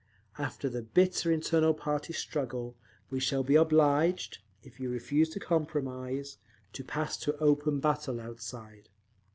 After the bitter internal party struggle, we shall be obliged, if you refuse to compromise, to pass to open battle outside….